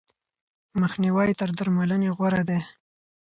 مخنیوی تر درملنې غوره دی.